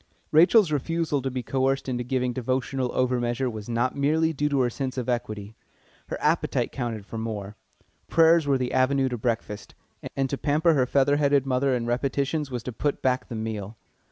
Rachel's refusal to be coerced into giving devotional over measure was not merely due to her sense of equity. Her appetite counted for more. Prayers were the avenue to breakfast, and to pamper her featherheaded mother in repetitions was to put back the meal.